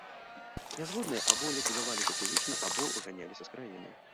Нязгодныя або ліквідаваліся фізічна, або выганяліся з краіны.